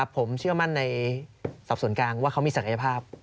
ผมเชื่อมั่นในสอบส่วนกลางว่าเขามีศักยภาพ